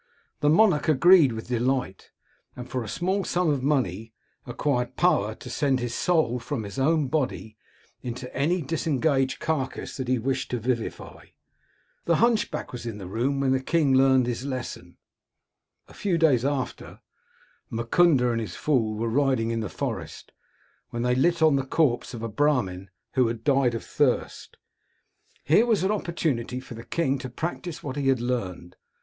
The monarch agreed with delight, and for a small sum of money acquired power to send his soul from his own body into any disengaged carcass that he wished to vivify. The hunchback was in the room when the king learned his lesson. "A few days after, Mukunda and his fool were riding in the forest, when they lit on the corpse of a Brahmin who had died of thirst. Here was an opportunity for the king to practise what he had learned.